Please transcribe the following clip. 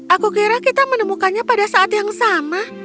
aku kira kita menemukannya pada saat yang sama